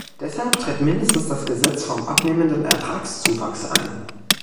Deshalb tritt mindestens das Gesetz vom abnehmenden Ertragszuwachs ein.